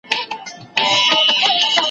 چي سیالان یې له هیبته پر سجده سي ,